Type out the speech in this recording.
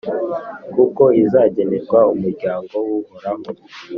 kuko izagenerwa umuryango w’Uhoraho,